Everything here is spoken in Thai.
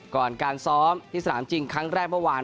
ก่อนการซ้อมที่สนามจริงครั้งแรกเมื่อวาน